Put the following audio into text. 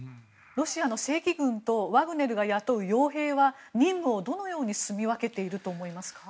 ロシアの正規軍とワグネルが雇う傭兵は任務をどのようにすみ分けていると思いますか？